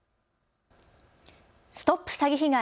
ＳＴＯＰ詐欺被害！